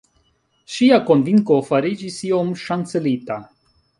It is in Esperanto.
Ŝia konvinko fariĝis iom ŝancelita.